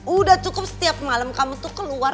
udah cukup setiap malam kamu tuh keluar